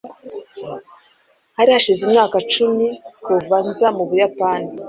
hari hashize imyaka icumi kuva nza mu buyapani